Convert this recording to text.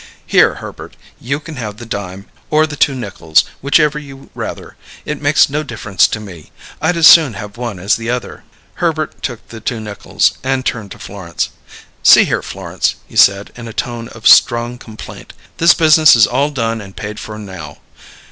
"Here, Herbert; you can have the dime, or the two nickels, whichever you rather. It makes no difference to me; I'd as soon have one as the other." Herbert took the two nickels, and turned to Florence. "See here, Florence," he said, in a tone of strong complaint. "This business is all done and paid for now.